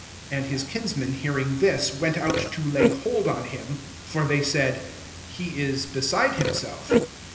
21 And bit kinsmen hearing Mb^ went out to lay hold on him : for they said, '^ He is beside himaelf."